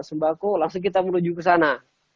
sembako langsung kita menuju kesana